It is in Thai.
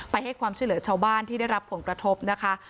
ให้ความช่วยเหลือชาวบ้านที่ได้รับผลกระทบนะคะ